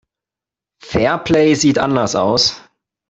Fairplay sieht anders aus.